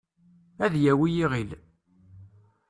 ad yawi iɣil